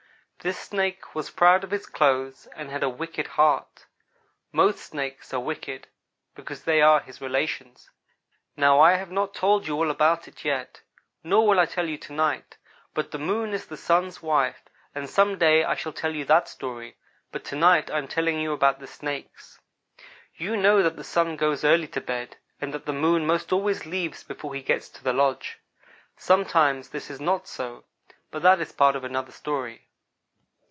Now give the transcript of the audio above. This snake was proud of his clothes and had a wicked heart. Most Snakes are wicked, because they are his relations. "Now, I have not told you all about it yet, nor will I tell you to night, but the Moon is the Sun's wife, and some day I shall tell you that story, but to night I am telling you about the Snakes. "You know that the Sun goes early to bed, and that the Moon most always leaves before he gets to the lodge. Sometimes this is not so, but that is part of another story.